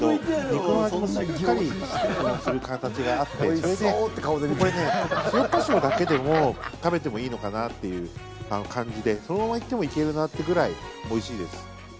それでこれ塩、コショウだけでも食べてもいいのかなっていう感じでそのままいってもいけるなってぐらいおいしいです。